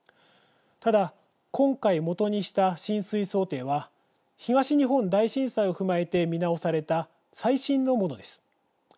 ただ今回、基にした浸水想定は東日本大震災を踏まえて見直された最新のものです。